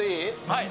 はい。